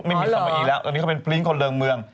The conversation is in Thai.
แต่ตอนนี้เขาเป็นพิงค์คนเริ่งเมือง